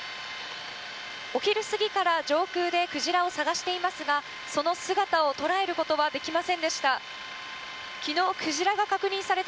お昼過ぎから上空でクジラを探していますがその姿を捉えることはできませんでした。